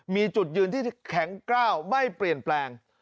มีจุดยืนที่แข็งกล้าวไม่เปลี่ยนแปลง